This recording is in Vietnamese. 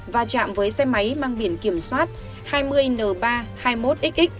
và chạm với xe máy mang biển kiểm soát hai mươi n ba trăm hai mươi một xx